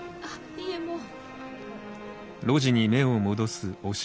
いいえもう。